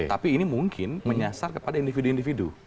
tapi ini mungkin menyasar kepada individu individu